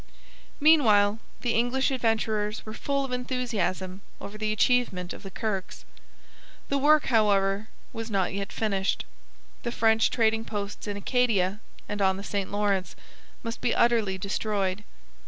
Meanwhile the English Adventurers were full of enthusiasm over the achievement of the Kirkes. The work, however, was not yet finished. The French trading posts in Acadia and on the St Lawrence must be utterly destroyed.